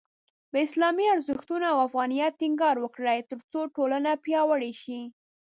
په اسلامي ارزښتونو او افغانیت ټینګار وکړئ، ترڅو ټولنه پیاوړې شي.